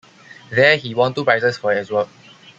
There he won two prizes for his work.